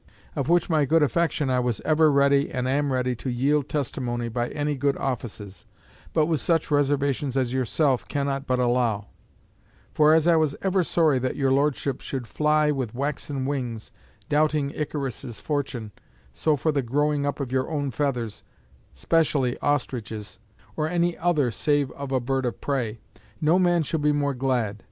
Of which my good affection I was ever ready and am ready to yield testimony by any good offices, but with such reservations as yourself cannot but allow; for as I was ever sorry that your Lordship should fly with waxen wings, doubting Icarus's fortune, so for the growing up of your own feathers, specially ostrich's, or any other save of a bird of prey, no man shall be more glad.